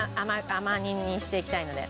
甘煮にしていきたいので。